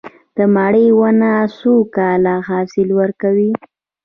د مڼې ونه څو کاله حاصل ورکوي؟